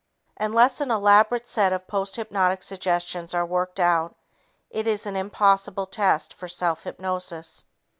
Unless an elaborate set of posthypnotic suggestions are worked out, it is an impossible test for self hypnosis.